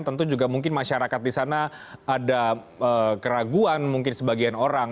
tentu juga mungkin masyarakat di sana ada keraguan mungkin sebagian orang